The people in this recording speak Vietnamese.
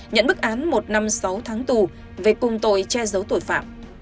nhận bức án một năm sáu tháng tù về cùng tội che giấu tội phạm